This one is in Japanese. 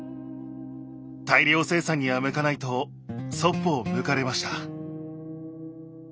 大量生産には向かないとそっぽを向かれました。